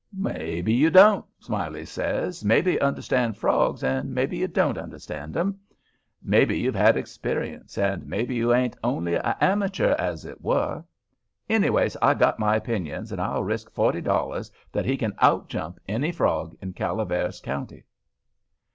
"Maybe you don't," Smiley says. "Maybe you understand frogs and maybe you don't understand 'em; maybe you've had experience, and maybe you ain't only a amature, as it were. Anyways, I've got my opinion and I'll risk forty dollars that he can outjump any frog in Calaveras County."